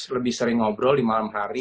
lebih sering ngobrol di malam hari